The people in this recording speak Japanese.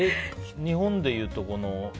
日本でいうとこの？